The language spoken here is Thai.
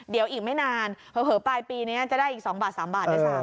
เดี๋ยวอีกไม่นานเผลอปลายปีนี้จะได้อีก๒บาท๓บาทด้วยซ้ำ